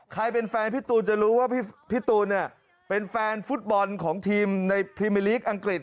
ใครเป็นแฟนพี่ตูนจะรู้ว่าพี่ตูนเป็นแฟนฟุตบอลของทีมในพรีเมอร์ลีกอังกฤษ